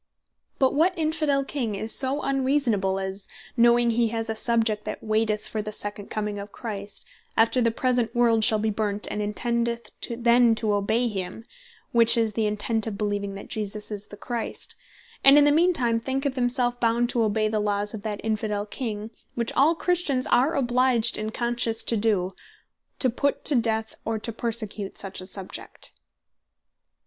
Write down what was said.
But what Infidel King is so unreasonable, as knowing he has a Subject, that waiteth for the second comming of Christ, after the present world shall be burnt, and intendeth then to obey him (which is the intent of beleeving that Jesus is the Christ,) and in the mean time thinketh himself bound to obey the Laws of that Infidel King, (which all Christians are obliged in conscience to doe,) to put to death, or to persecute such a Subject?